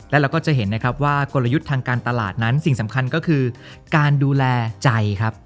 และเราก็จะเห็นนะครับว่ากลยุทธ์ทางการตลาดนั้นสิ่งสำคัญก็คือการดูแลใจครับ